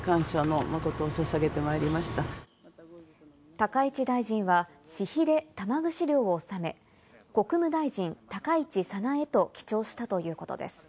高市大臣は、私費で玉串料を納め、「国務大臣・高市早苗」と記帳したということです。